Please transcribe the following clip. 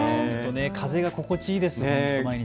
風が心地いいですね、毎日。